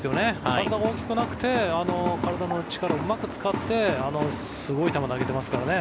体が大きくなくて体の力をうまく使ってすごい球を投げていますからね。